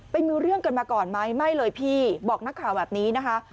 มีเรื่องกันมาก่อนไหมไม่เลยพี่บอกนักข่าวแบบนี้นะคะ